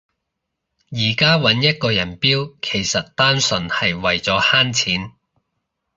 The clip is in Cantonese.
而家搵一個人標其實單純係為咗慳錢